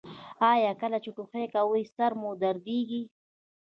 ایا کله چې ټوخی کوئ سر مو دردیږي؟